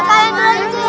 kalian duluan dulu